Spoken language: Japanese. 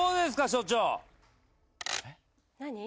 所長何？